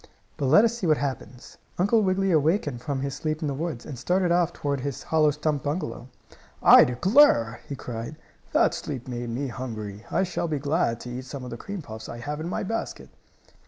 But let us see what happens. Uncle Wiggily awakened from his sleep in the woods, and started off toward his hollow stump bungalow. "I declare!" he cried. "That sleep made me hungry. I shall be glad to eat some of the cream puffs I have in my basket."